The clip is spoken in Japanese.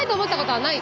はい！